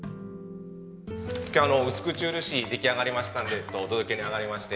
今日うすくちうるし出来上がりましたのでお届けに上がりまして。